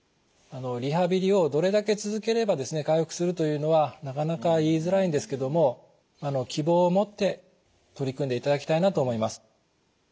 リハビリをどれだけ続ければですね回復するというのはなかなか言いづらいんですけども希望を持って取り組んでいただきたいなと思います。